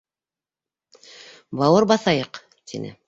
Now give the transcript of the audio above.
Бауыр баҫайыҡ, — тине.